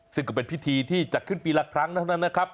ซึ่งก็เป็นพิธีที่จัดขึ้นปีละครั้งเท่านั้นนะครับ